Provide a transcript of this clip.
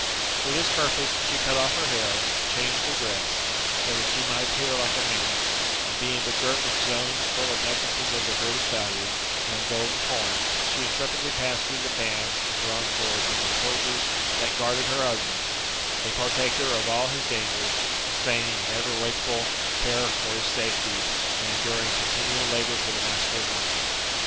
For this purpose, she cut off her hair, changed her dress, so that she might appear like a man ; and being begirt with zones full of necklaces of the greatest value, and of golden coin, she intrepidly passed through die bands and drawn swords of the soldiers that guarded her husband, a partaker of all his dangers, sustaining an ever wakeful care for his safety, and enduring continual labours with a musculine mind.